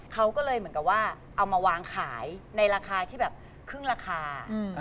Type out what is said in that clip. เขาก็เลยเหมือนกับว่าเอามาวางขายในราคาที่แบบครึ่งราคา